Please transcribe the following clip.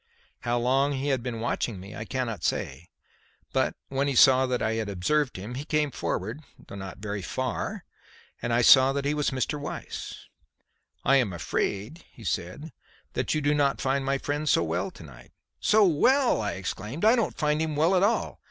How long he had been watching me I cannot say, but, when he saw that I had observed him, he came forward though not very far and I saw that he was Mr. Weiss. "I am afraid," he said, "that you do not find my friend so well to night?" "So well!" I exclaimed. "I don't find him well at all.